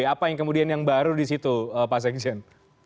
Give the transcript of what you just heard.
apa yang kemudian yang baru di situ pak sekjen